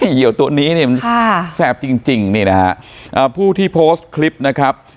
เหยียวตัวนี้เนี่ยมันแซ่บจริงพูดที่โพสต์คลิปนะครับ